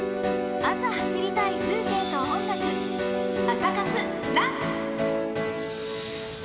朝、走りたい風景と音楽、「朝活ＲＵＮ」。